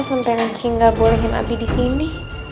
sampai nek cing ga bolehin abi disini